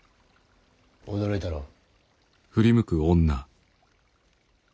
驚いたろう。